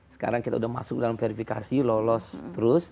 sekarang kita sudah masuk dalam verifikasi lolos terus